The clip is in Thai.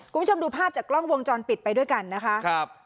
คุณผู้ชมดูภาพจากกล้องวงจรปิดไปด้วยกันนะคะครับ